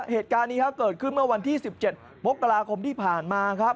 เหตุการณ์นี้เกิดขึ้นเมื่อวันที่๑๗มกราคมที่ผ่านมาครับ